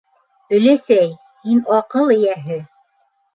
Өләсәй, һин - аҡыл эйәһе!